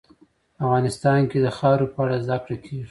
افغانستان کې د خاوره په اړه زده کړه کېږي.